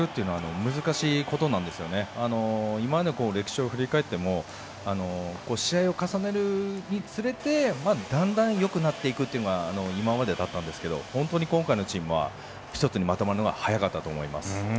今までの歴史を振り返っても試合を重ねるにつれてだんだんよくなっていくというのが今までだったんですけど今回のチームは一つにまとまるのが早かったと思います。